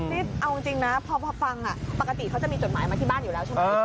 นี่เอาจริงนะพอฟังปกติเขาจะมีจดหมายมาที่บ้านอยู่แล้วใช่ไหม